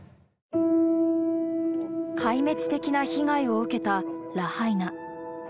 壊滅的な被害を受けたラハイナ。